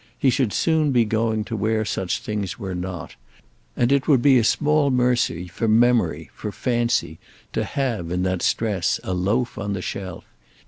He should soon be going to where such things were not, and it would be a small mercy for memory, for fancy, to have, in that stress, a loaf on the shelf.